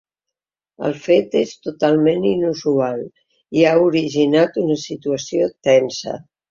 El fet és totalment inusual i ha originat una situació tensa.